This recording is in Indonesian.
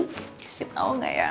kasih tau gak ya